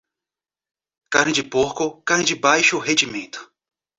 Carne de porco, carne de baixo rendimento.